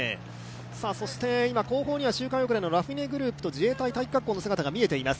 そして今、後方には周回遅れのラフィネグループと自衛隊体育学校の姿が見えています。